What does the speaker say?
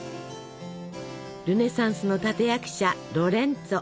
ルネサンスの立役者ロレンツォ。